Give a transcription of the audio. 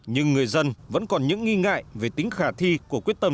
nhưng người dân vẫn còn những nghi ngại về tính khả thi của quyết tâm